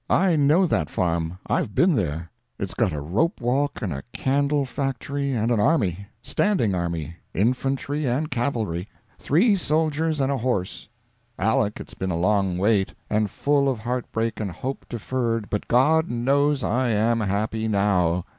I know that farm, I've been there. It's got a rope walk and a candle factory and an army. Standing army. Infantry and cavalry. Three soldier and a horse. Aleck, it's been a long wait, and full of heartbreak and hope deferred, but God knows I am happy now.